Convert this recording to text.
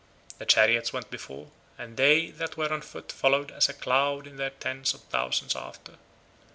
The chariots went before, and they that were on foot followed as a cloud in their tens of thousands after.